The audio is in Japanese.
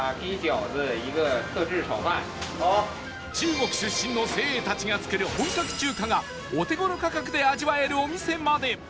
中国出身の精鋭たちが作る本格中華がお手頃価格で味わえるお店まで